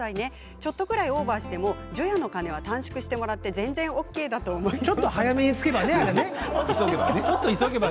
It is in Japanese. ちょっとぐらいオーバーしても除夜の鐘は短縮してもらって全然ＯＫだと思います。